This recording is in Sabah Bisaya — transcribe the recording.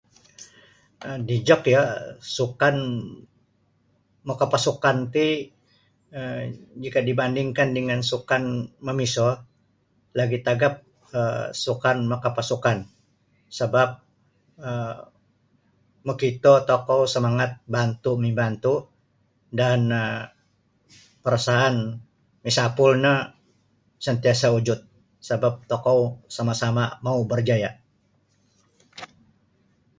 um Dijok yo sukan makapasukan ti um jika dibandingkan dengan sukan mamiso lagi' tagap um sukan makapasukan sabap makito tokou samangat bantu' mibantu' dan parasaan misapul no santiasa' wujud sabap tokou sama-sama mau barjaya'.